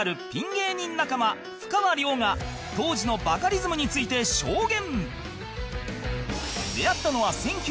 芸人仲間ふかわりょうが当時のバカリズムについて証言